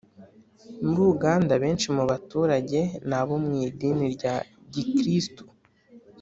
Muri uganda, benshi mu baturage ni abo mu idini rya gikristu